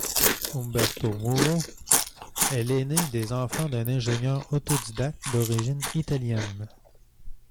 Humberto Mauro est l'aîné des enfants d'un ingénieur autodidacte d'origine italienne.